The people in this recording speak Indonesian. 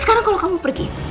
sekarang kalau kamu pergi